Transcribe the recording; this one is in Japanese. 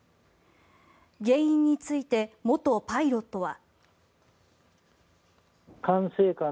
原因について元パイロットは。